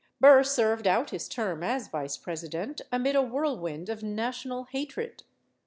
Burr served out his term as vice president amid a whirlwind of national hatred.